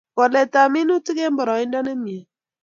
koletap minutik eng boroindo nemie